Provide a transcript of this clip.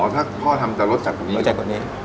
อ๋อถ้าพ่อทำจะรสจัดกว่านี้หรอรสจัดกว่านี้